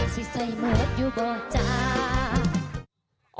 สีใสหมดอยู่ก่อนจ้า